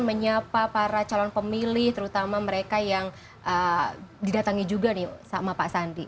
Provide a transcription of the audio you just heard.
menyapa para calon pemilih terutama mereka yang didatangi juga nih sama pak sandi